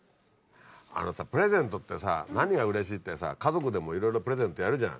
プレゼントってさ何がうれしいってさ家族でもいろいろプレゼントやるじゃん。